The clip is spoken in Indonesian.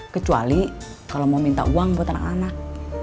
kecuali kalau mau minta uang buat anak anak